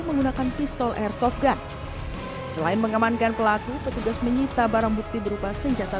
menggunakan pistol airsoft gun selain mengamankan pelaku petugas menyita barang bukti berupa senjata